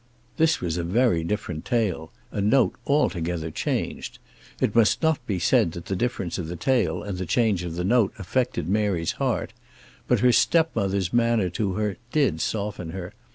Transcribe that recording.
This was a very different tale; a note altogether changed! It must not be said that the difference of the tale and the change of the note affected Mary's heart; but her stepmother's manner to her did soften her.